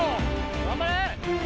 頑張れ！